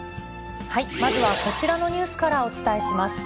まずはこちらのニュースからお伝えします。